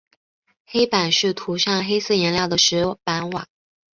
黑板是涂上黑色颜料的石板瓦。